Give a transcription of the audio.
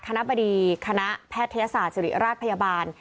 คณะบดีคณะแพทยศาสตร์ศิริราชพยาบาล